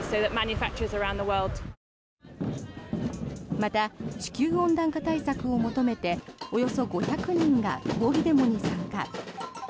また、地球温暖化対策を求めておよそ５００人が抗議デモに参加。